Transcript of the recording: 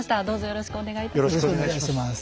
よろしくお願いします。